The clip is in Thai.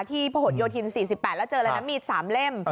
ที่โผฏโยธิน๔๘แล้วเจออะไรนะมีสามเล่ม